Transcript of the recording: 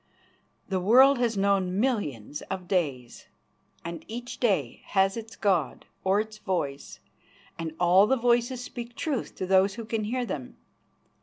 The world has known millions of days, and each day has its god or its voice and all the voices speak truth to those who can hear them.